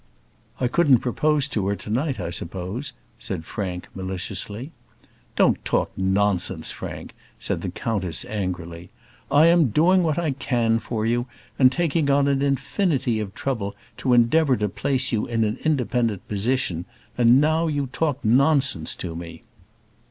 "I couldn't propose to her to night, I suppose?" said Frank, maliciously. "Don't talk nonsense, Frank," said the countess, angrily. "I am doing what I can for you, and taking on an infinity of trouble to endeavour to place you in an independent position; and now you talk nonsense to me."